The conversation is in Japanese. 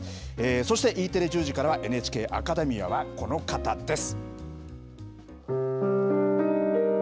そしてＥテレ、１０時から、ＮＨＫアカデミアはこの方です。